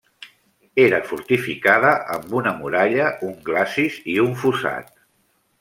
Era fortificada amb una muralla, un glacis i un fossat.